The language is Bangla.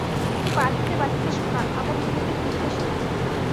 তিনি বাঁধিতে বাঁধিতে শোনান, আমরা খুলিতে খুলিতে শুনি।